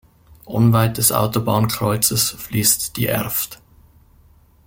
Unweit des Autobahnkreuzes fließt die Erft.